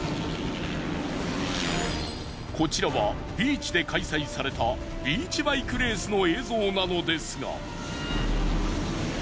こちらはビーチで開催されたビーチバイクレースの映像なのですが。